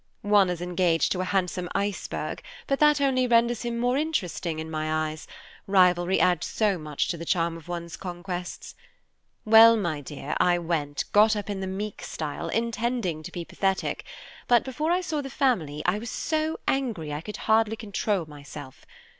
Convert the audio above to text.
One is engaged to a handsome iceberg, but that only renders him more interesting in my eyes, rivalry adds so much to the charm of one's conquests. Well, my dear, I went, got up in the meek style, intending to do the pathetic; but before I saw the family, I was so angry I could hardly control myself.